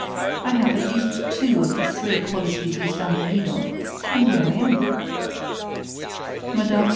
I have at least two of the three qualities you stand in need of, and here I am." Mme.